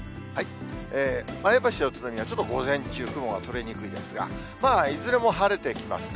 前橋、宇都宮、ちょっと午前中、雲が取れにくいですが、いずれも晴れてきますね。